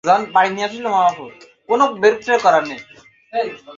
আমি তোমাকে অনেক মিস করব, আমার বন্ধু।